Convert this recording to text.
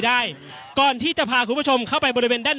อย่างที่บอกไปว่าเรายังยึดในเรื่องของข้อ